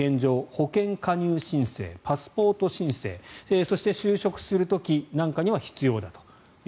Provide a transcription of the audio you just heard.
保険加入申請パスポート申請、そして就職する時なんかには必要だと。